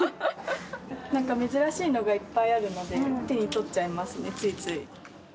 なんか珍しいのがいっぱいあるので、手に取っちゃいますね、ついつい。